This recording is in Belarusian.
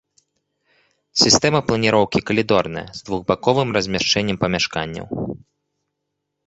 Сістэма планіроўкі калідорная, з двухбаковым размяшчэннем памяшканняў.